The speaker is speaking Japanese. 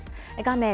画面